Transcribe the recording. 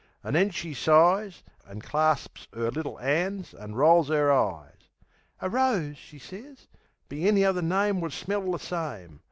An' then she sighs, An' clasps 'er little 'ands, an' rolls 'er eyes. "A rose," she sez, "be any other name Would smell the same.